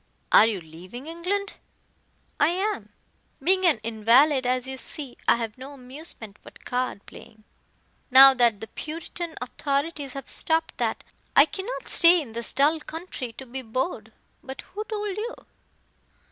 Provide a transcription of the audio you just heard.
"Are you leaving England?" "I am. Being an invalid as you see, I have no amusement but card playing. Now that the Puritan authorities have stopped that, I cannot stay in this dull country to be bored. But who told you?"